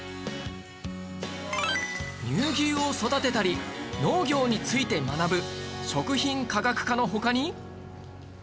乳牛を育てたり農業について学ぶ食品科学科の他に